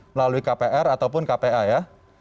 melalui kpr ataupun kpa ya